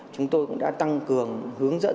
chúng tôi cũng đã tăng cường hướng dẫn